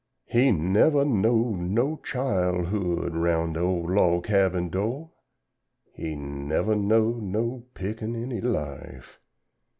He nevuh knowed no chilehood roun' da ole log cabin do', He nevuh knowed no pickaninny life.